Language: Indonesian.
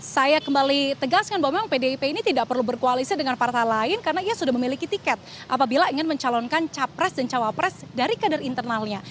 saya kembali tegaskan bahwa memang pdip ini tidak perlu berkoalisi dengan partai lain karena ia sudah memiliki tiket apabila ingin mencalonkan capres dan cawapres dari kader internalnya